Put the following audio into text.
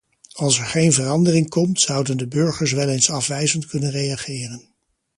Als er geen verandering komt, zouden de burgers wel eens afwijzend kunnen reageren.